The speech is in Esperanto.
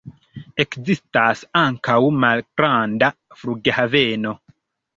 Ekzistas ankaŭ malgranda flughaveno.